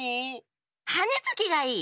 はねつきがいい！